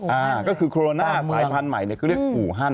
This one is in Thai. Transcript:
อ่าก็คือโคโรนาสายพันธุ์ใหม่เนี่ยก็เรียกอู่ฮั่น